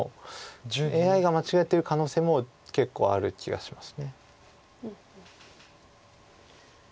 ＡＩが間違えてる可能性も結構ある気がします。